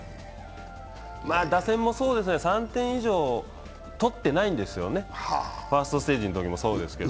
打線も、３点以上取ってないんですよね、ファーストステージのときもそうですし、